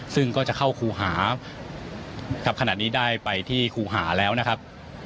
ซึ่งก็จะเข้าครูหาครับขณะนี้ได้ไปที่ครูหาแล้วนะครับ